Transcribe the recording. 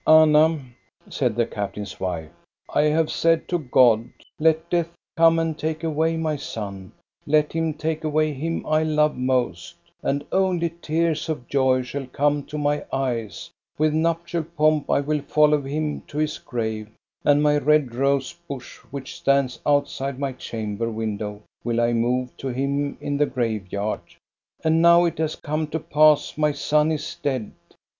" Anna," said the captain's wife, " I have said to God :' Let Death come and take away my son, let him take away him I love mo3t, and only tears of joy shall come to my eyes ; with nuptial pomp I will fol low him to his grave, and my red rose bush, which stands outside my chamber window, will I move to him in the grave yard.' And now it has come to pass my son is dead.